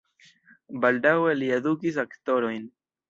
Baldaŭe li edukis aktorojn.